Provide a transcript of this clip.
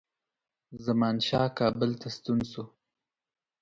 زمانشاه کابل ته ستون شو.